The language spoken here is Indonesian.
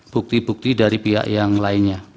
bukti bukti dari pihak yang lainnya